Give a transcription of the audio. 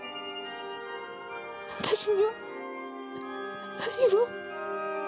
私には何も。